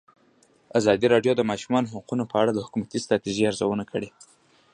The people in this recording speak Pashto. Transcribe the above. ازادي راډیو د د ماشومانو حقونه په اړه د حکومتي ستراتیژۍ ارزونه کړې.